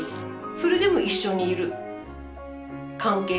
それでも一緒にいる関係性みたいな。